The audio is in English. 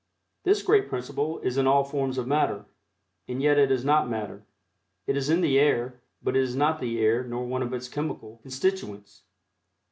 This great principle is in all forms of matter, and yet it is not matter. It is in the air, but it is not the air nor one of its chemical constituents.